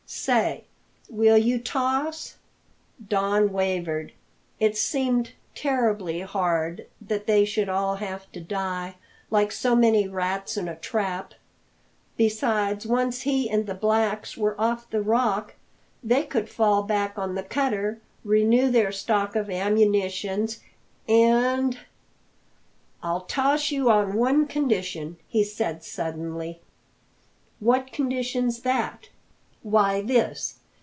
Say, will you toss?" Don wavered. It seemed terribly hard that they should all have to die like so many rats in a trap. Besides, once he and the blacks were off the Rock, they could fall back on the cutter, renew their stock of ammunition, and "I'll toss you on one condition," he said suddenly. "What condition's that?" "Why, this.